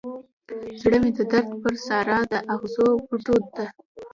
زړه مې د درد پر سارا د اغزو بوټو ته